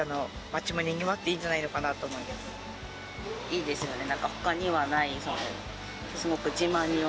いいですよね。